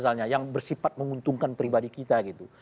misalnya yang bersifat menguntungkan pribadi kita gitu